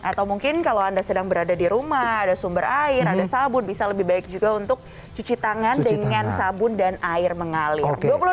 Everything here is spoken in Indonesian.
atau mungkin kalau anda sedang berada di rumah ada sumber air ada sabun bisa lebih baik juga untuk cuci tangan dengan sabun dan air mengalir